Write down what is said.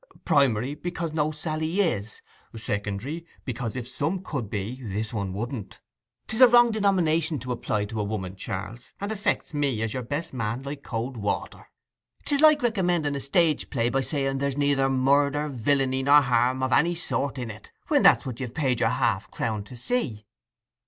Primary, because no Sally is; secondary, because if some could be, this one wouldn't. 'Tis a wrong denomination to apply to a woman, Charles, and affects me, as your best man, like cold water. 'Tis like recommending a stage play by saying there's neither murder, villainy, nor harm of any sort in it, when that's what you've paid your half crown to see.